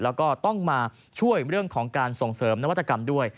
แล้วก็ต้องมาช่วยเรื่องของการส่งเสริมนวัตกรรมด้วย